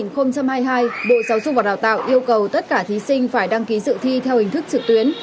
năm hai nghìn hai mươi hai bộ giáo dục và đào tạo yêu cầu tất cả thí sinh phải đăng ký dự thi theo hình thức trực tuyến